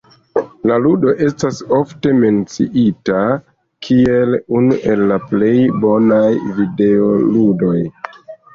La ludo estas ofte menciita kiel unu el la plej bonaj videoludoj.